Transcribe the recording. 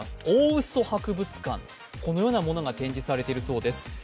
大嘘博物館、このようなものが展示されているそうです。